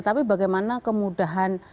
tapi bagaimana kemudahan